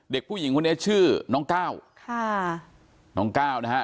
เด็กผู้หญิงคนนี้ชื่อน้องก้าวค่ะน้องก้าวนะฮะ